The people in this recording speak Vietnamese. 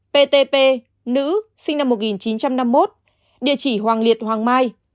ptp nữ sinh năm một nghìn chín trăm năm mươi một địa chỉ hoàng liệt hoàng mai